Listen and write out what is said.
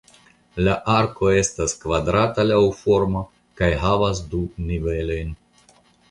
La arko estas kvadrata laŭ formo kaj havas du nivelojn.